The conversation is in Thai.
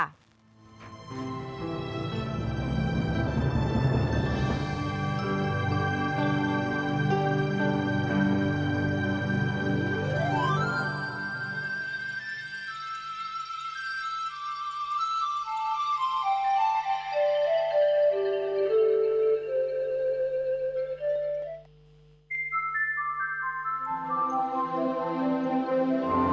โปรดติดตามตอนต่อไป